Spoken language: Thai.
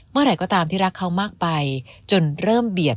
เมื่อไหร่ก็ตามที่รักเขามากไป